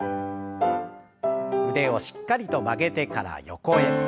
腕をしっかりと曲げてから横へ。